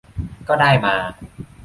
ก็ได้มา